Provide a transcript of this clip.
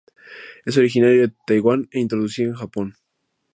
Es originario de Taiwán e introducido en Japón.